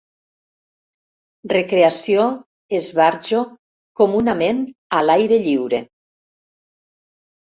Recreació, esbarjo, comunament a l'aire lliure”.